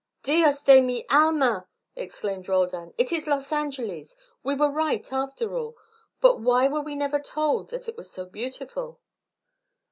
"Dios de mi alma!" exclaimed Roldan. "It is Los Angeles. We were right, after all. But why were we never told that it was so beautiful?"